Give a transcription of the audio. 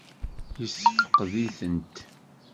Yessefqed-itent?